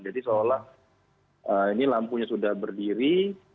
jadi seolah ini lampunya sudah berdiri